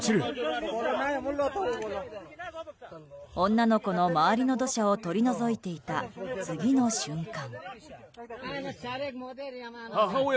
女の子の周りの土砂を取り除いていた、次の瞬間。